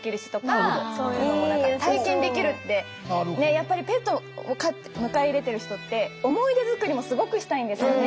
やっぱりペットを迎え入れてる人って思い出作りもすごくしたいんですよね。